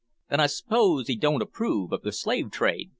"Then I 'spose 'ee don't approve of the slave trade?"